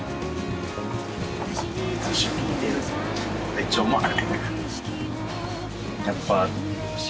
めっちゃうまい。